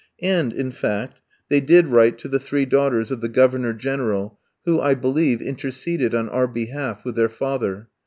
And, in fact, they did write to the three daughters of the Governor General, who, I believe, interceded on our behalf with their father.